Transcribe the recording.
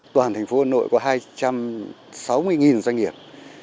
toàn thành phố hà nội có hai trăm sáu mươi doanh nghiệp